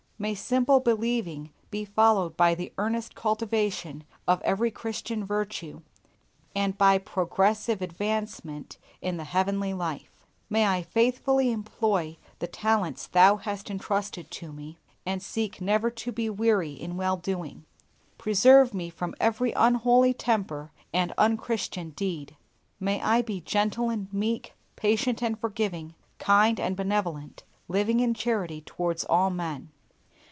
May simple believing be followed by the earnest cultivation of every Christian virtue, and by progressive advancement in the heavenly life. May I faithfully employ the talents Thou hast intrusted to me, and seek never to be weary in well doing. Preserve me from every unholy temper and unchristian deed. May I be gentle and meek, patient and forgiving, kind and benevolent, living in charity towards all men.